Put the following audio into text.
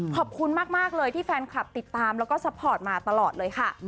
ขอบคุณมากเลยที่แฟนคลับติดตามแล้วก็ซัพพอร์ตมาตลอดเลยค่ะ